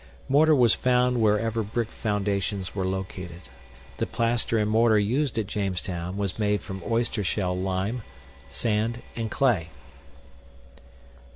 Mortar was found wherever brick foundations were located. The plaster and mortar used at Jamestown was made from oystershell lime, sand, and clay.